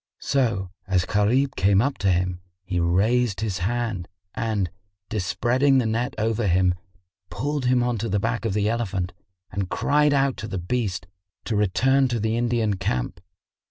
So, as Gharib came up to him, he raised his hand and, despreading the net over him, pulled him on to the back of the elephant and cried out to the beast to return to the Indian camp.